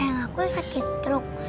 eyang aku sakit truk